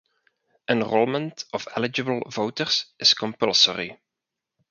Enrolment of eligible voters is compulsory.